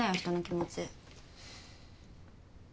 人の気持ち。